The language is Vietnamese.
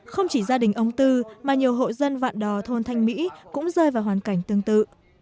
không chỉ gia đình ông tư mà nhiều hộ dân vạn đò thôn thanh mỹ cũng rơi vào hoàn cảnh tương tự